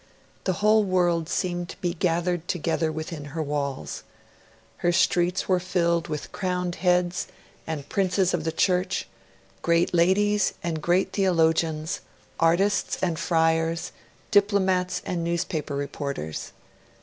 The whole world seemed to be gathered together within her walls. Her streets were filled with crowned heads and Princes of the Church, great ladies and great theologians, artists and friars, diplomats and newspaper reporters.